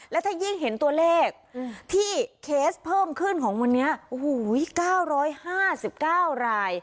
และถ้ายิ่งเห็นตัวเลขที่เคสเพิ่มขึ้นของวันนี้๙๕๙ราย